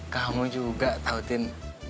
kamu juga tau tini